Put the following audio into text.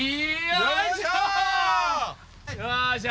よいしょ！